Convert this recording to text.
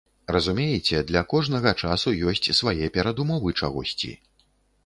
Разумееце, для кожнага часу ёсць свае перадумовы чагосьці.